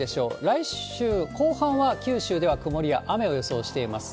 来週後半は、九州では曇りや雨を予想しています。